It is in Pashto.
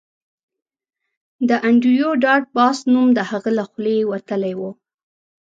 د انډریو ډاټ باس نوم د هغه له خولې وتلی و